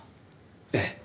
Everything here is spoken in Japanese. ええ。